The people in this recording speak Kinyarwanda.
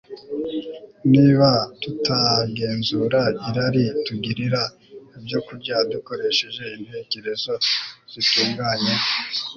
niba tutagenzura irari tugirira ibyokurya dukoresheje intekerezo zitunganye